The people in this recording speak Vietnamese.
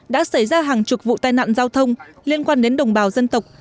đã xảy ra hàng chục vụ tai nạn giao thông liên quan đến đồng bào dân tộc